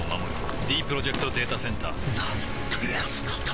ディープロジェクト・データセンターなんてやつなんだ